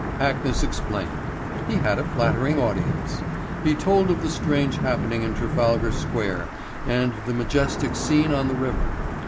Hackness explained. He had a flattering audience. He told of the strange happening in Trafalgar Square and the majestic scene on the river.